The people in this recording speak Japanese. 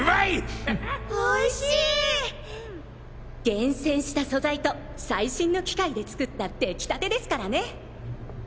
厳選した素材と最新の機械で作った出来たてですからね。